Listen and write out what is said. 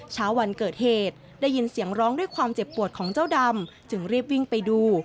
เช้าวันเกิดเหตุได้ยินเสียงร้องด้วยความเจ็บปวดของเจ้าดำจึงรีบวิ่งไปดู